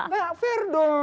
nggak fair dong